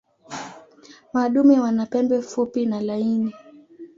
Madume wana pembe fupi na laini.